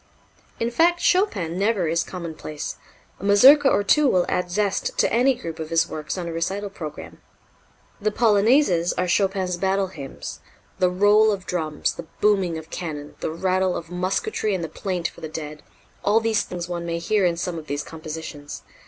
In fact Chopin never is commonplace. A Mazurka or two will add zest to any group of his works on a recital program. The Polonaises are Chopin's battle hymns. The roll of drums, the booming of cannon, the rattle of musketry and the plaint for the dead all these things one may hear in some of these compositions.